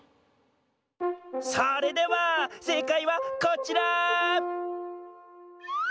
それではせいかいはこちら！